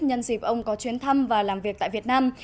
nhân dịp ông có chuyến thăm và làm việc tại việt nam